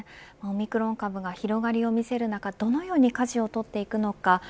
オミクロン株が広がりをみせる中どのようにかじを取っていくのか。